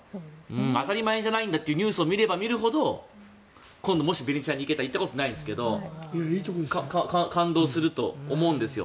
当たり前じゃないんだってニュースを見れば見るほど今度もしベネチアに行けたら行ったことないんですけど感動すると思うんですよ。